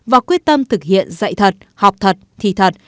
và quyết tâm thực hiện dạy thật học thật thi thật